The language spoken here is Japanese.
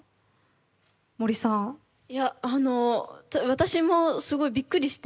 私もすごいびっくりして。